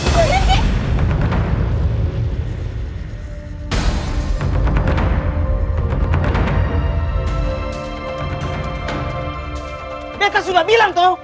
betta sudah bilang toh